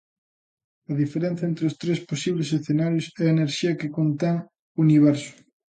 A diferenza entre os tres posibles escenarios é a enerxía que contén o universo.